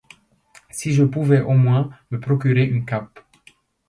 Si je pouvais au moins me procurer une cape.